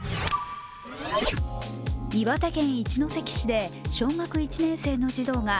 岩手県一関市で小学１年生の児童が